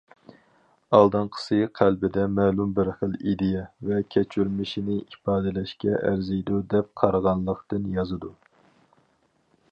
ئالدىنقىسى قەلبىدە مەلۇم بىر خىل ئىدىيە ۋە كەچۈرمىشىنى ئىپادىلەشكە ئەرزىيدۇ دەپ قارىغانلىقتىن يازىدۇ.